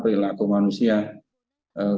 karena dalam hal ini kita harus melakukan pemulihan